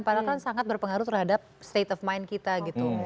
padahal kan sangat berpengaruh terhadap state of mind kita gitu